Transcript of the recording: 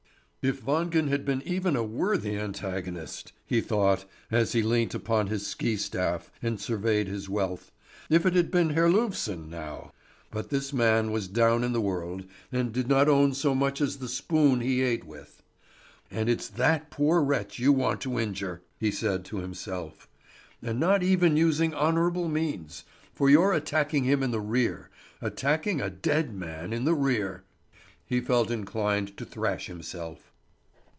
"If Wangen had even been a worthy antagonist," he thought, as he leant upon his ski staff and surveyed his wealth. "If it had been Herlufsen now." But this man was down in the world, and did not own so much as the spoon he ate with. "And it's that poor wretch you want to injure!" he said to himself. "And not even using honourable means; for you're attacking him in the rear attacking a dead man in the rear!" He felt inclined to thrash himself.